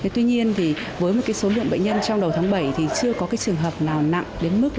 tuy nhiên thì với một số lượng bệnh nhân trong đầu tháng bảy thì chưa có trường hợp nào nặng đến mức